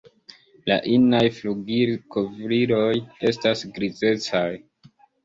La inaj flugilkovriloj estas grizecaj.